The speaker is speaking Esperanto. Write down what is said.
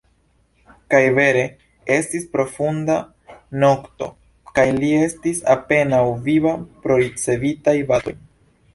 Kaj vere: estis profunda nokto, kaj li estis apenaŭ viva pro ricevitaj batoj.